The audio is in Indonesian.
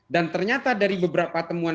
dan ternyata dari beberapa temuan